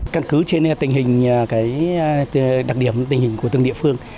căn cứ trên tình hình đặc điểm tình hình của từng địa phương